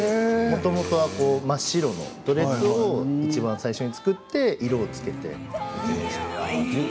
もともとは真っ白なドレスをいちばん最初に作って色をつけて。